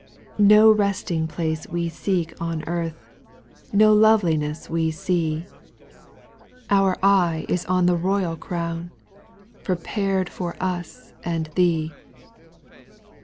4. No resting place we seek on earth, No loveliness we see ; 10 SPIRITUAL SONGS. » Our e3'e is on the royal crown, Prepared for us and Thee.